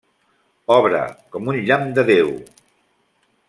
-Obra, com un llamp de Déu!